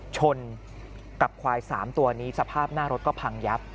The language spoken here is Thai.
ชนกับควาย๓ตัวนี้สภาพหน้ารถก็พังยับ